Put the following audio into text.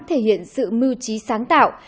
thể hiện sự mưu trí sáng tạo